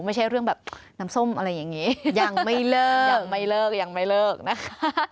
ไม่ใช่เรื่องแบบน้ำส้มอะไรอย่างนี้ยังไม่เลิกยังไม่เลิกยังไม่เลิกนะคะ